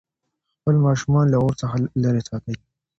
خپل ماشومان له اور څخه لرې وساتئ.